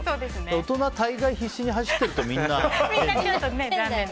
大人、大概必死に走ってるとみんな、変。